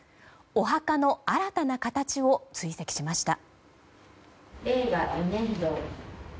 お墓の新たな形を追跡しました。